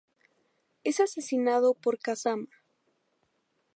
Es asesinado por Kazama.